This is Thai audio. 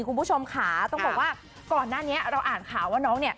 คุณผู้ชมค่ะต้องบอกว่าก่อนหน้านี้เราอ่านข่าวว่าน้องเนี่ย